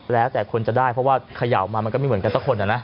แล้วแต่คนจะได้เพราะว่าเขย่าออกมามันก็ไม่เหมือนกันสักคนนะ